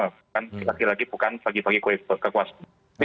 bukan lagi lagi bukan bagi bagi kekuasaan